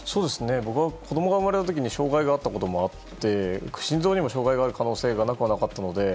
僕は子供が生まれた時障害があったこともあって心臓にも障害がある可能性がなくはなかったので。